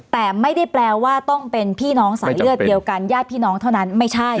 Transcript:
แต่ไม่ได้แปลว่าต้องเป็นพี่น้องสายเลือดเดียวกันญาติพี่น้องเท่านั้นไม่ใช่